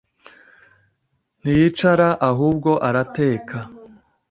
Ntiyicara ahubwo Arateka